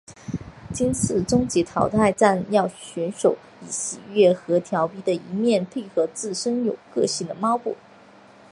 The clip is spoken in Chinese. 今次终极淘汰战要选手以喜悦和佻皮的一面配合自身有个性的猫步。